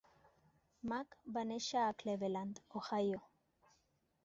Mack va néixer a Cleveland, Ohio.